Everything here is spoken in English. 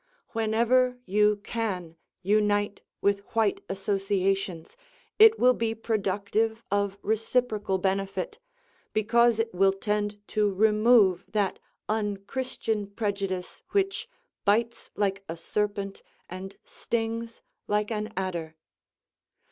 Whenever you can unite with white associations, it will be productive of reciprocal benefit, because it will tend to remove that unchristian prejudice which "bites like a serpent, and stings like an adder."